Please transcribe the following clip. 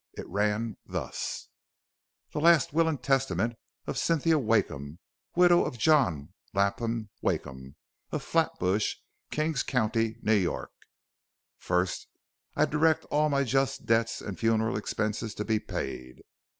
It ran thus: "The last will and testament of Cynthia Wakeham, widow of John Lapham Wakeham, of Flatbush, Kings County, New York. "First: I direct all my just debts and funeral expenses to be paid.